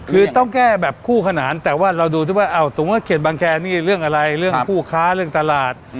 คือต้องแก้แบบคู่ขนานแต่ว่าเราดูที่ว่าสมมุติว่าเขตบางแคร์นี่เรื่องอะไรเรื่องคู่ค้าเรื่องตลาด